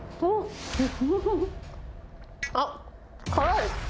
あっ、辛い！